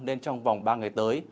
nên trong vòng ba ngày tới